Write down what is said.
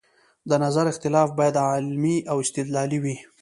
د نظر اختلاف باید علمي او استدلالي وي